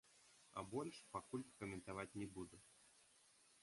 А больш пакуль каментаваць не буду.